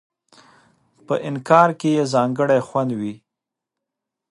په انگار کې یې ځانګړی خوند وي.